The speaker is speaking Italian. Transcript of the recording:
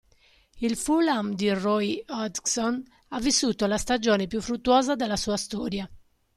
Il Fulham di Roy Hodgson ha vissuto la stagione più fruttuosa della sua storia.